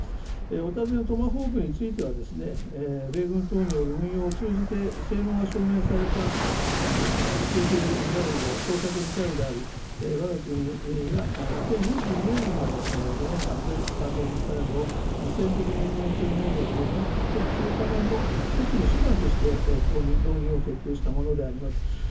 お尋ねのトマホークについては、米軍等による運用を通じて、性能が証明された長距離ミサイルで、小射程ミサイルであって、わが国が２０２２年度まで５年間でスタンド・オフ・ミサイルを実戦的に運用する能力を獲得するための１つの手段として、導入を決定したものであります。